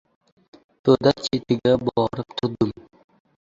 To‘da chetiga borib turdim.